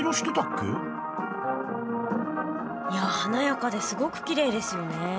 いや華やかですごくきれいですよね。